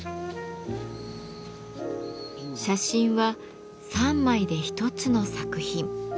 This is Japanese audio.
写真は３枚で一つの作品。